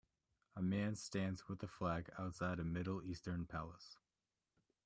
A man stands with a flag outside a middle eastern palace.